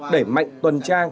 để mạnh tuần trang